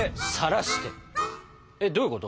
えっどういうこと？